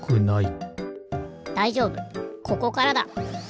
だいじょうぶここからだ。